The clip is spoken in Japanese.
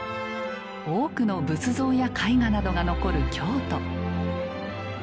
多くの仏像や絵画などが残る京都。